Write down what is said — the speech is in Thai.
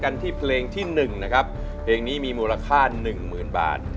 กันที่เพลงที่๑นะครับเพลงนี้มีมูลค่าหนึ่งหมื่นบาท